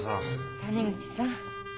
谷口さん